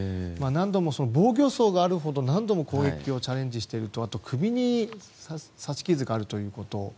防御創があるほど何度も攻撃をチャレンジしているあと首に刺し傷があるということ